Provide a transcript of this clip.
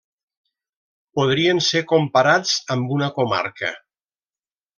Podrien ser comparats amb una comarca.